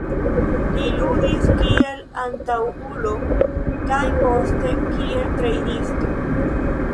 Li ludis kiel antaŭulo kaj poste kiel trejnisto.